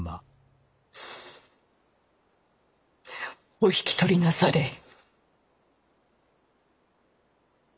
お引き取りなされい。